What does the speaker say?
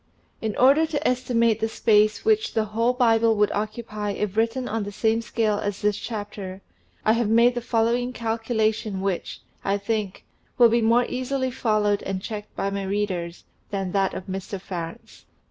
In order to estimate the space which the whole Bible would occupy if written on the same scale as this chapter, I have made the following calculation which, I think, will be more easily followed and checked by my readers, than that of Mr. Farrants.